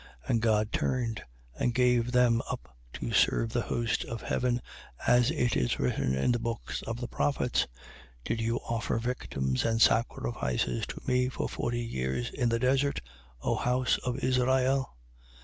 7:42. And God turned and gave them up to serve the host of heaven, as it is written in the books of the prophets: Did you offer victims and sacrifices to me for forty years, in the desert, O house of Israel?